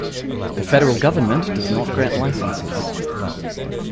The federal government does not grant licenses.